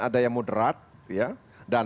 ada yang moderat ya dan